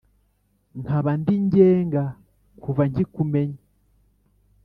Nkaba ndi Ngenga kuva nkikumenya.